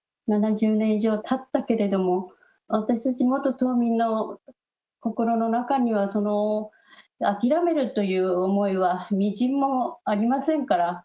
７０年以上たったけれども、私たち元島民の心の中には諦めるという思いは微塵もありませんから。